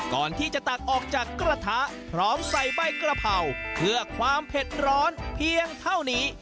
ตักออกจากกระทะพร้อมใส่ใบกระเพราเพื่อความเผ็ดร้อนเพียงเท่านี้